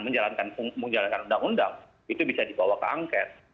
menjalankan undang undang itu bisa dibawa ke angket